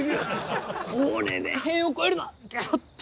これで塀を越えるのはちょっと。